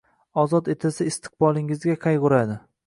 Ozod etilsa, istiqbolingizga qayg’uradi.